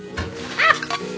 あっ。